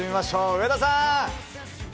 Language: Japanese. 上田さん。